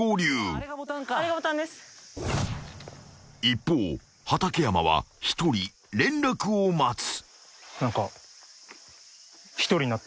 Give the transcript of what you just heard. ［一方畠山は一人連絡を待つ］